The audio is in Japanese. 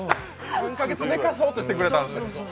３か月寝かそうとしてくれたんですね。